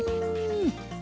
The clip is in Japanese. うん！